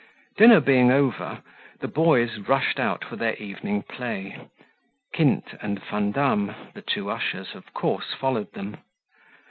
Dinner being over, the boys rushed out for their evening play; Kint and Vandam (the two ushers) of course followed them.